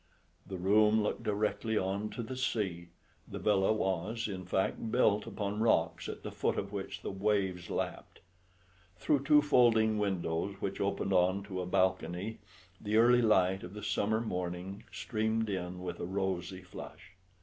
The room looked directly on to the sea: the villa was, in fact, built upon rocks at the foot of which the waves lapped. Through two folding windows which opened on to a balcony the early light of the summer morning streamed in with a rosy flush.